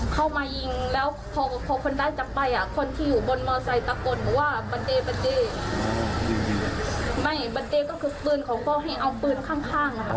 ใช่คนร้ายน่าจะรู้ว่าพ่อมีปืนสั้นค่ะ